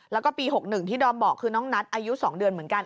แล้วก็ปี๖๑ที่ดอมบอกคือน้องนัทอายุ๒เดือนเหมือนกัน